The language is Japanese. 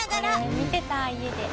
これ見てた家で。